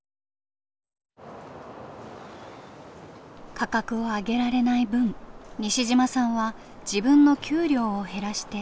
価格を上げられない分西嶋さんは自分の給料を減らしてやりくりしてきました。